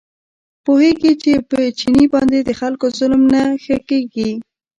پوهېږي چې په چیني باندې د خلکو ظلم نه ښه کېږي.